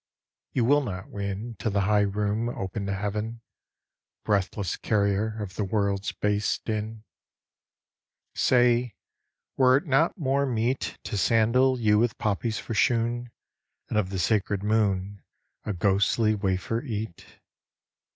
You will not win To the high room open to heaven, Breathless carrier Of the world's base din. Say, were it not more meet To sandal you with poppies for shoon And of the sacred moon A ghostly wafer eat